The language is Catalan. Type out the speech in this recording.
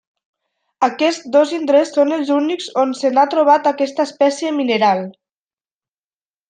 Aquests dos indrets són els únics on se n'ha trobat aquesta espècie mineral.